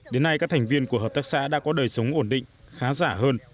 đến nay các thành viên của hợp tác xã đã có đời sống ổn định khá giả hơn